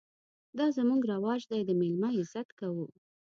_دا زموږ رواج دی، د مېلمه عزت کوو.